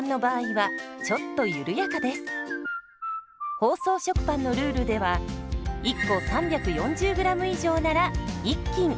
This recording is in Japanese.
包装食パンのルールでは１個３４０ｇ以上なら１斤。